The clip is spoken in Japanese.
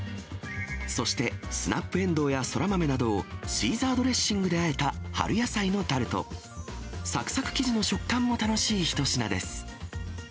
そして、スナップエンドウやそらまめなどをシーザードレッシングであえた春野菜のタルト、さくさく生地の食感も楽しい一品です。